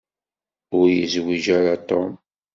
Ur yezwiǧ ara Tom.